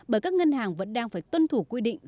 bởi các ngân hàng vẫn đang phải tuân thủ quy định